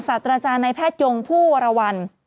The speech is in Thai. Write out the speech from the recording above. ศาสตราจารย์ในแพทยงผู้วรวรรณ